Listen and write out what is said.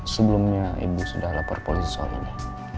sebelumnya ibu sudah lapor polisi soalnya